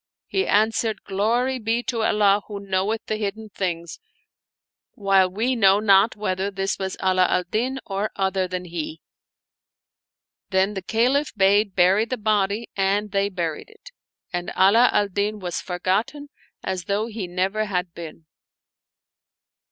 He answered, " Glory be to Allah who knoweth the hidden things, while we know not whether this was Ala al Din or other than he." Then the Caliph bade bury, the body and they buried it ; and Ala al Din was forgotten as though he never had been.